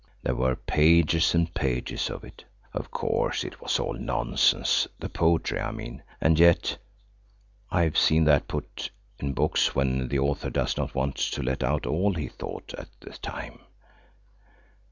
'" There were pages and pages of it. Of course it was all nonsense–the poetry, I mean. And yet. .. (I have seen that put in books when the author does not want to let out all he thought at the time.)